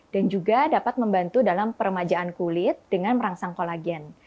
dan juga dapat membantu dalam peremajaan kulit dengan merangsang kolagen